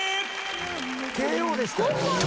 ＫＯでしたよ。